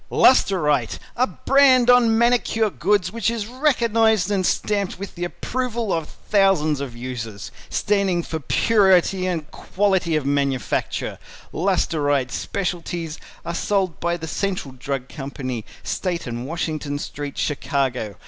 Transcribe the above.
] "LUSTR ITE" A brand on Manicure Goods which is recognized and stamped with the approval of its thousands of users. Standing for purity and quality of manufacture. LUSTR ITE Specialties are sold by The Central Drug Company, State and Washington St., Chicago.